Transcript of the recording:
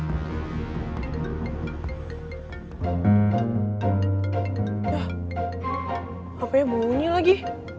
ah apanya bunyi lagi